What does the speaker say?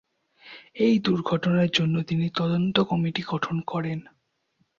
এ দূর্ঘটনার জন্য তিনি তদন্ত কমিটি গঠন করেন।